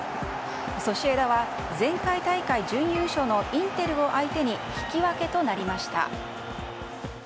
ソシエダは前回大会準優勝のインテルを相手に引き分けとなりました。